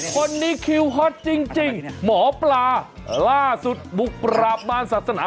คนนี้คิวฮอตจริงหมอปลาล่าสุดบุกปราบมารศาสนา